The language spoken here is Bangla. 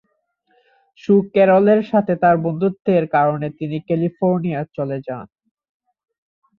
সু ক্যারলের সাথে তার বন্ধুত্বের কারণে তিনি ক্যালিফোর্নিয়া চলে যান।